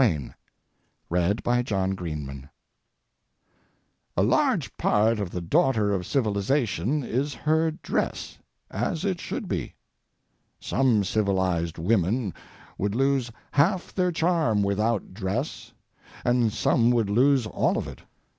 THE DRESS OF CIVILIZED WOMAN A large part of the daughter of civilization is her dress—as it should be. Some civilized women would lose half their charm without dress, and some would lose all of it.